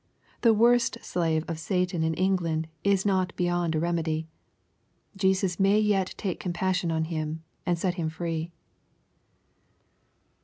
The worst slave of Satan in England is not beyond a remedy. Jesus may yet take compassion on him, and set him free.